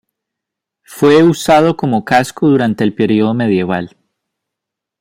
Fue usado como casco durante el periodo medieval.